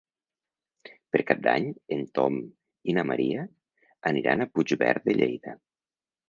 Per Cap d'Any en Tom i na Maria aniran a Puigverd de Lleida.